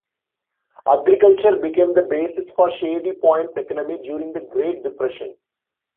Agriculture became the basis for Shady Point's economy during the Great Depression.